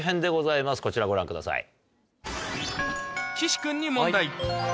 こちらをご覧ください。